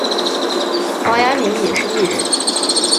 黄雅珉也是艺人。